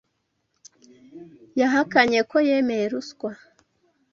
Yahakanye ko yemeye ruswa.